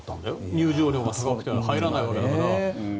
入場料が高くて入らないわけだから。